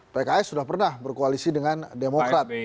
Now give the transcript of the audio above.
pks sudah pernah berkoalisi dengan demokrat